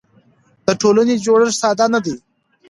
د ټولنې جوړښت ساده نه دی.